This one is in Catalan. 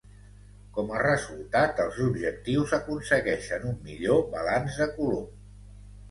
Com a resultat els objectius aconsegueixen un millor balanç de color.